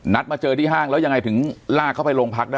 มาเจอที่ห้างแล้วยังไงถึงลากเขาไปโรงพักได้